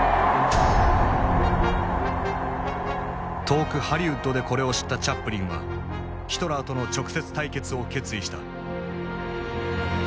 遠くハリウッドでこれを知ったチャップリンはヒトラーとの直接対決を決意した。